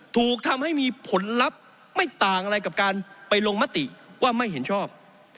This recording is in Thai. ถูกทำให้มีผลลัพธ์ไม่ต่างอะไรกับการไปลงมติว่าไม่เห็นชอบ